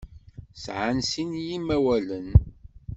Sɛan sin n yimawalen.